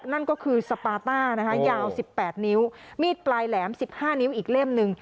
นั่นก็คือสปาต้านะคะยาว๑๘นิ้วมีดปลายแหลม๑๕นิ้วอีกเล่มหนึ่ง